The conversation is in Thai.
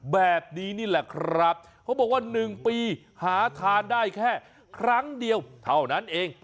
แบบนี้นี่แหละครับเขาบอกว่า๑ปีหาทานได้แค่ครั้งเดียวเท่านั้นเอง